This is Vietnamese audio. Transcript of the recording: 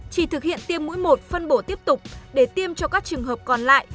chỉ thực hiện tiêm mũi một phân bổ tiếp tục để tiêm cho các trường hợp còn lại